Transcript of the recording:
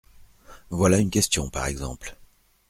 Voilà une question, par exemple !…